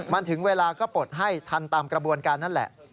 มันถึงเวลาก็ปลดให้ทันตามกระบวนการนั่นแหละ